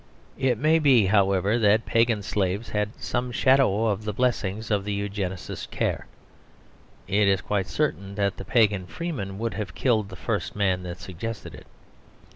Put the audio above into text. It may be, however, that pagan slaves had some shadow of the blessings of the Eugenist's care. It is quite certain that the pagan freemen would have killed the first man that suggested it.